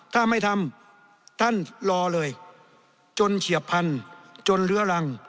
ถ้าไม่ทำท่านรอเลยจนเฉียบพันธุ์จนเลื้อรัง